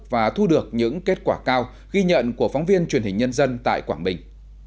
và thu được những kết quả cao ghi nhận của phóng viên truyền hình nhân dân tại quảng bình